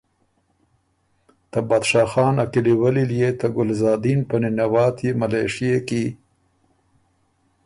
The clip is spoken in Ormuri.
ته بادشاه خان ا کلیولی ليې ته ګلزادین په نِنواتيې ملېشئے کی